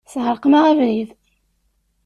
Tesεerqem-aɣ abrid.